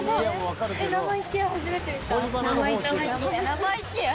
生イケア？